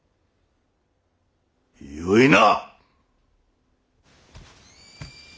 よいな！